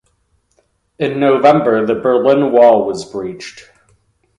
In November the Berlin Wall was breached.